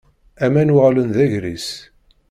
Aman uɣalen d agris.